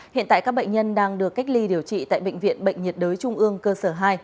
hiện tại các bệnh nhân đang được cách ly điều trị tại bệnh viện bệnh nhiệt đới trung ương cơ sở hai